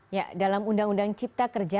sekarang ini cukup dari unit di kementerian kkp saja